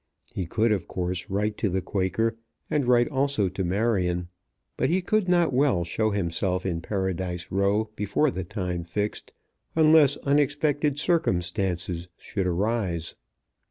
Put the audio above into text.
He could of course write to the Quaker, and write also to Marion; but he could not well show himself in Paradise Row before the time fixed, unless unexpected circumstances should arise.